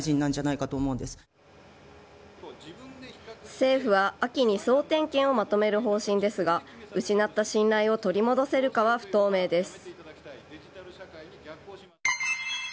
政府は秋に総点検をまとめる方針ですが失った信頼を取り戻せるかは不透明です。